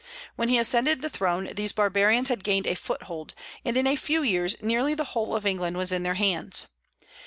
When he ascended the throne these barbarians had gained a foothold, and in a few years nearly the whole of England was in their hands.